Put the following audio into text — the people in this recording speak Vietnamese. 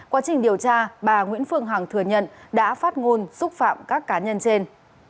quá trình điều tra bà nguyễn phương hằng thừa nhận đã phát ngôn xúc phạm các cá nhân trên